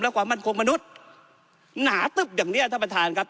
และความมั่นคงมนุษย์หนาตึ๊บอย่างเนี้ยท่านประธานครับ